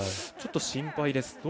ちょっと心配です。